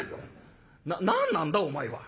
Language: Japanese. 何なんだお前は」。